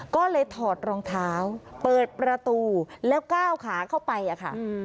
ก็เลยถอดรองเท้าเปิดประตูแล้วก้าวขาเข้าไปอะค่ะ